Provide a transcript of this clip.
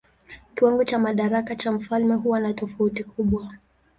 Kiwango cha madaraka cha mfalme huwa na tofauti kubwa.